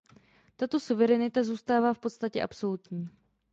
Tato suverenita zůstává v podstatě absolutní.